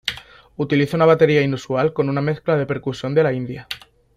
Utiliza una batería inusual con una mezcla de percusión de la India.